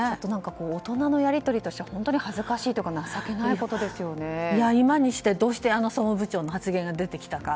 大人のやり取りとしては本当に恥ずかしいというか今にしてどうして総務部長の発言が出てきたか。